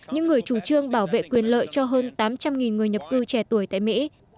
những người chủ trương bảo vệ quyền lợi cho hơn tám trăm linh người nhập cư trẻ tuổi tại mỹ